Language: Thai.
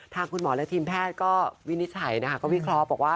ทางคุณหมอและทีมแพทย์ก็วินิจฉัยนะคะก็วิเคราะห์บอกว่า